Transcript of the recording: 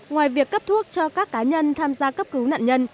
ngoài việc cấp thuốc cho các cá nhân tham gia cấp cứu nạn nhân